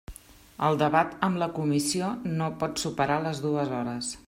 El debat amb la comissió no pot superar les dues hores.